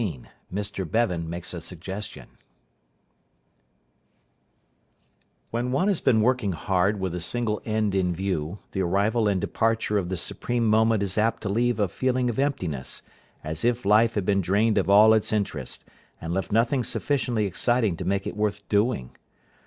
XVIII MR BEVAN MAKES A SUGGESTION When one has been working hard with a single end in view, the arrival and departure of the supreme moment is apt to leave a feeling of emptiness, as if life had been drained of all its interest, and left nothing sufficiently exciting to make it worth doing.